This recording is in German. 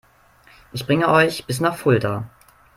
Ich bringe euch bis nach Fulda